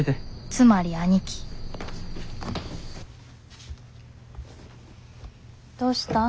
つまり兄貴どうしたん？